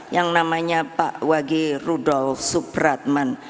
yang namanya pak wage rudol supratman